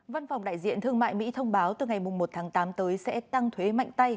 văn phòng đại diện thương mại mỹ thông báo từ ngày một tháng tám tới sẽ tăng thuế mạnh tay